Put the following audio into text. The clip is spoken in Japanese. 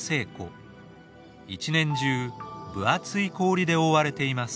一年中分厚い氷で覆われています。